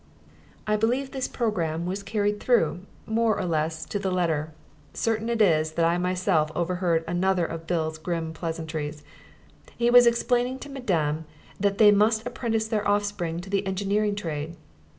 I believe that this programme was carried through, more or less to the letter. Certain it is that I myself overheard another of Bill's grim pleasantries. He was explaining to madame that they must apprentice their offspring to the engineering trade.